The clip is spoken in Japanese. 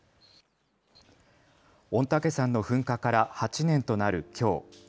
御嶽山の噴火から８年となるきょう。